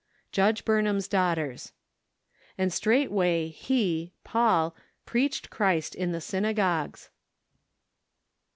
Judge Burnham's Daughters. " And straightway he {Paul) preached Christ in the synagogues